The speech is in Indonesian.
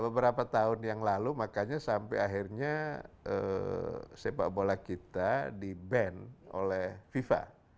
beberapa tahun yang lalu makanya sampai akhirnya sepak bola kita di ban oleh fifa